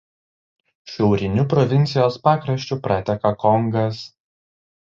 Šiauriniu provincijos pakraščiu prateka Kongas.